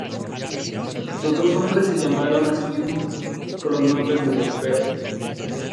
Los dos hombres se llamaron a sí mismos con los nombres de dos perros.